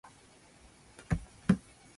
いーやーさーさ